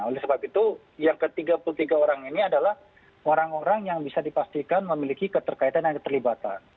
oleh sebab itu yang ke tiga puluh tiga orang ini adalah orang orang yang bisa dipastikan memiliki keterkaitan dan keterlibatan